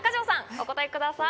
お答えください。